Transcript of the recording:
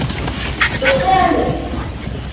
Туҡта әле.